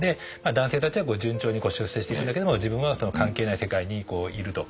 男性たちは順調に出世していくんだけども自分は関係ない世界にいると。